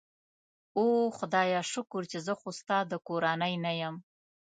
اوه خدایه، شکر چې زه خو ستا د کورنۍ نه یم.